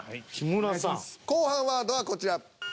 後半ワードはこちら。